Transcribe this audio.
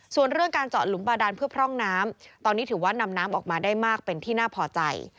ส่วนเรื่องการเจาะหลุมบาดานเพื่อพร่องน้ำตอนนี้ถือว่านำน้ำออกมาได้มากเป็นที่น่าพอใจ